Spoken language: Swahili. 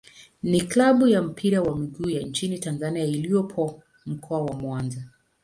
ni klabu ya mpira wa miguu ya nchini Tanzania iliyopo Mkoa wa Mwanza.